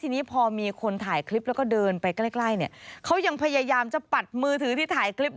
ทีนี้พอมีคนถ่ายคลิปแล้วก็เดินไปใกล้เภายามจะปัดมือถือได้เนี่ย